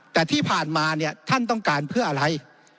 แต่ที่ผ่านมาเนี่ยท่านต้องการเพื่ออะไร